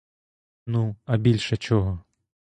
Ну, а більше чого?